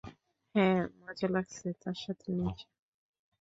হ্যাঁ, মজা লাগছে তার সাথে নেচে।